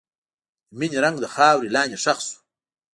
د مینې رنګ د خاورې لاندې ښخ شو.